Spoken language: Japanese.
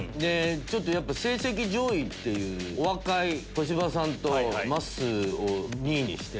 やっぱ成績上位っていうお若い小芝さんとまっすーを２位にして。